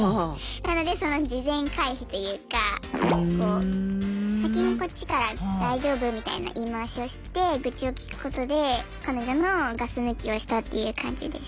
なのでその事前回避というか先にこっちから大丈夫？みたいな言い回しをして愚痴を聞くことで彼女のガス抜きをしたっていう感じです。